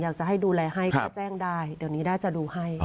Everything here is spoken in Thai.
อยากจะให้ดูแลให้ก็แจ้งได้เดี๋ยวนี้น่าจะดูให้